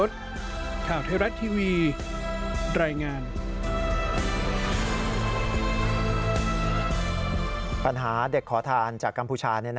ปัญหาเด็กขอทานจากกัมพูชา